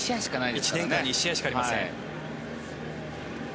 １年間に１試合しかありません。